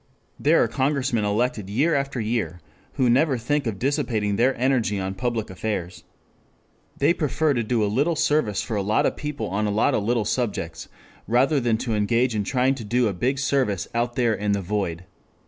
There are Congressmen elected year after year who never think of dissipating their energy on public affairs. They prefer to do a little service for a lot of people on a lot of little subjects, rather than to engage in trying to do a big service out there in the void.